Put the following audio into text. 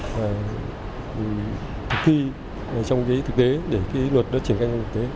và thực thi trong cái thực tế để cái luật đó trở thành thực tế